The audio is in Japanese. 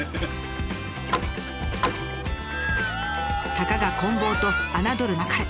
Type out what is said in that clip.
たかがこん棒と侮るなかれ！